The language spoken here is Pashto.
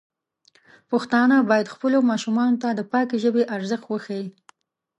پښتانه بايد خپلو ماشومانو ته د پاکې ژبې ارزښت وښيي.